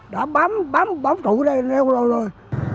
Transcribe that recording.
đã bám trụ ở đây lâu rồi